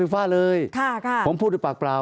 ตั้งแต่เริ่มมีเรื่องแล้ว